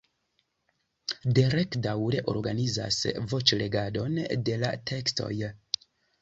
Derek daŭre organizas voĉlegadon de la tekstoj.